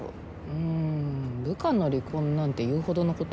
うん部下の離婚なんて言うほどのこと？